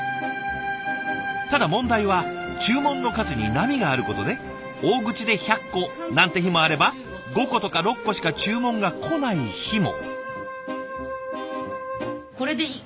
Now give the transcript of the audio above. ただ問題は注文の数に波があることで大口で１００個なんて日もあれば５個とか６個しか注文が来ない日も。